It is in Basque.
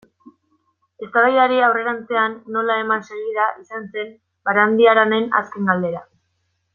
Eztabaidari aurrerantzean nola eman segida izan zen Barandiaranen azken galdera.